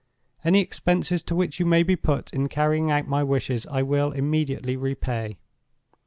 "Any expenses to which you may be put in carrying out my wishes I will immediately repay.